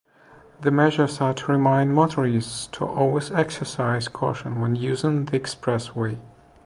The measures are to remind motorists to always exercise caution when using the expressway.